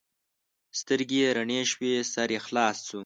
سترګې یې رڼې شوې؛ سر یې خلاص شو.